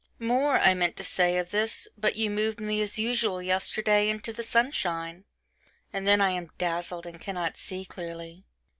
More, I meant to say of this; but you moved me as usual yesterday into the sunshine, and then I am dazzled and cannot see clearly.